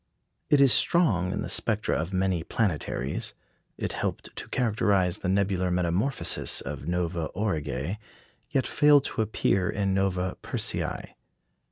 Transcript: It is strong in the spectra of many planetaries; it helped to characterise the nebular metamorphosis of Nova Aurigæ, yet failed to appear in Nova Persei.